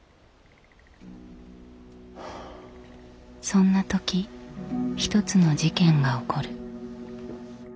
そんな時一つの事件が起こる。